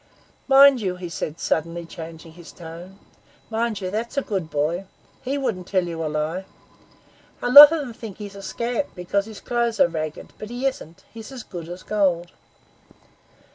'Mind you,' he said suddenly, changing his tone, 'mind you that's a good boy. He wouldn't tell you a lie. A lot of them think he is a scamp because his clothes are ragged, but he isn't; he's as good as gold.